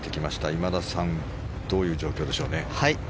今田さんどういう状況でしょうね。